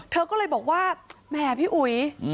เธอก็เลยบอกว่าแหมพี่อุ๋ย